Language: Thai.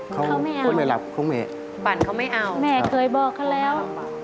เขาไม่เอาปั่นเขาไม่เอาแม่เคยบอกเขาแล้ว